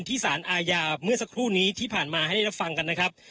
สารอาญาเมื่อสักครู่นี้ที่ผ่านมาให้ได้รับฟังกันนะครับ